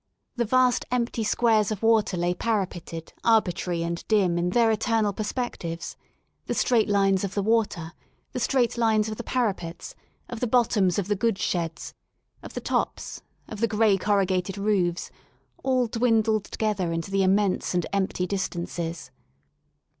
The vast, empty squares of '" water lay parapeted, arbitrary and dim in their eternal i 68 WORK IN LONDON perspectives; the straight lines of the water, the straight lines of the parapets, of the bottoms of the goods sheds, of the tops, of the gray corrugated roofs, all dwindled together into the immense and empty distances.